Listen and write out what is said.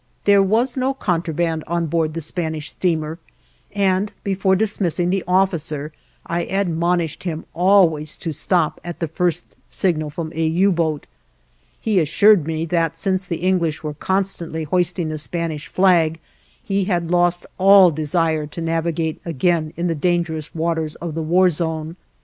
There was no contraband on board the Spanish steamer, and before dismissing the officer I admonished him always to stop at the first signal from a U boat; he assured me that since the English were constantly hoisting the Spanish flag he had lost all desire to navigate again in the dangerous waters of the war zone.